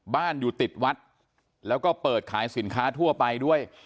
บ้านอยู่ติดวัดแล้วก็เปิดขายสินค้าทั่วไปด้วย